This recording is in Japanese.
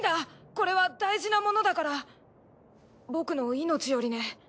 これは大事なものだから僕の命よりね。